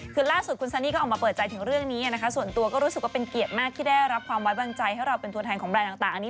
คือล่าสุดคุณซันนี่ก็ออกมาเปิดใจถึงเรื่องนี้นะคะส่วนตัวก็รู้สึกว่าเป็นเกียรติมากที่ได้รับความไว้วางใจให้เราเป็นตัวแทนของแบรนด์ต่าง